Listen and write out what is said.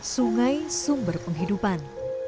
sungai sumber penghidupan